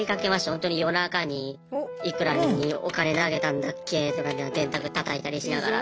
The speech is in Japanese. ほんとに夜中に幾らお金投げたんだっけとかって電卓たたいたりしながら。